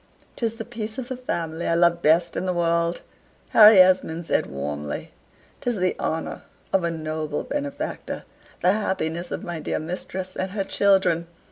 "'Tis the peace of the family I love best in the world," Harry Esmond said warmly "'tis the honor of a noble benefactor the happiness of my dear mistress and her children.